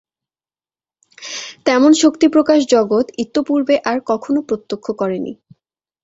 তেমন শক্তি-প্রকাশ জগৎ ইতঃপূর্বে আর কখনও প্রত্যক্ষ করেনি।